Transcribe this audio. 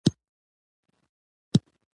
فرد او سازمان دواړه مالي ودې ته اړتیا لري.